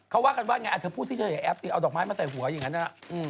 เขาว่ากันว่าไงเธอพูดสิเธออย่างแอปสิเอาดอกไม้มาใส่หัวอย่างนั้นนะ